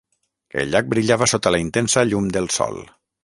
El llac brillava sota la intensa llum del sol.